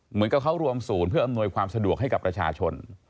เหมือนกับเขารวมศูนย์เพื่ออำนวยความสะดวกให้กับประชาชน